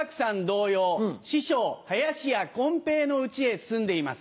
同様師匠林家こん平の家へ住んでいます。